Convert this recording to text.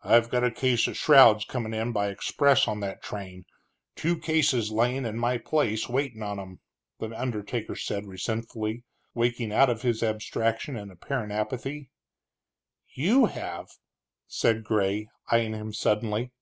"I've got a case of shrouds comin' in by express on that train, two cases layin' in my place waitin' on 'em," the undertaker said, resentfully, waking out of his abstraction and apparent apathy. "You have!" said Gray, eying him suddenly.